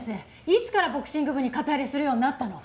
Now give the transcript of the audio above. いつからボクシング部に肩入れするようになったの？